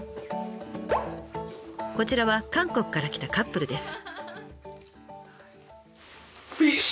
こちらは韓国から来たカップルです。